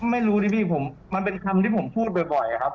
ไม่รู้ดิพี่ผมมันเป็นคำที่ผมพูดบ่อยครับ